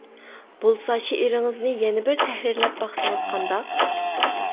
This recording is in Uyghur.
بولسا شېئىرىڭىزنى يەنە بىر تەھرىرلەپ باقسىڭىز قانداق؟ !